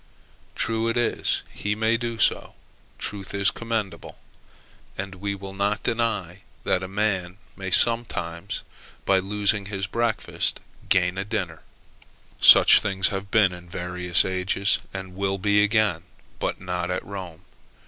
True it is he may do so: truth is commendable; and we will not deny that a man may sometimes, by losing a breakfast, gain a dinner. Such things have been in various ages, and will be again, but not at Rome.